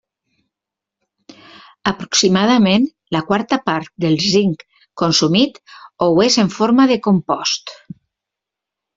Aproximadament la quarta part del zinc consumit ho és en forma de compost.